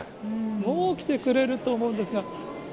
もう来てくれると思うんですが。